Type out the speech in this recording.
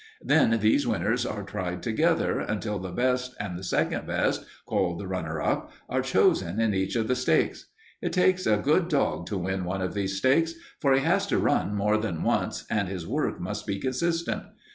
Then these winners are tried together until the best and the second best, called the runner up, are chosen in each of the stakes. It takes a good dog to win one of these stakes, for he has to run more than once and his work must be consistent.